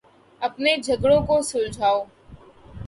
اپنے جھگڑوں کو سلجھاؤ۔